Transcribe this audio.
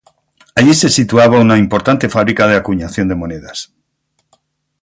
Allí se situaba una importante fábrica de acuñación de monedas.